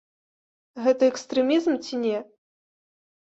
Гэта экстрэмізм ці не?